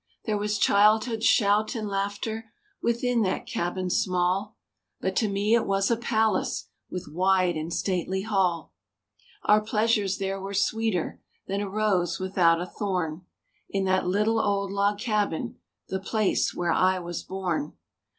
There was childhood's shout and laughter Within that cabin small; But to me it was a palace, With wide and stately hall. Our pleasures there were sweeter Than a rose without a thorn, In that little old log cabin,— The place where I was born.